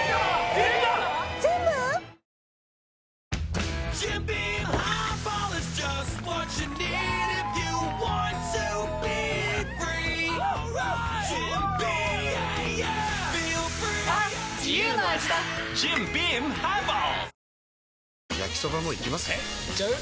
えいっちゃう？